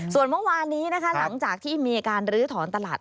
ส่วนเมื่อวานนี้นะคะหลังจากที่มีการลื้อถอนตลาด